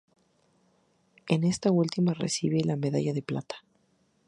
En esta última recibe la Medalla de Plata.